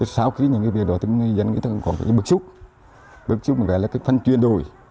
sau khi những cái việc đó thì người dân nghĩ tất cả còn cái bức xúc bức xúc là cái phần chuyển đổi